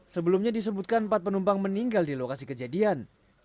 sebelumnya disebutkan empat penumpang meninggal di lokasi kejadian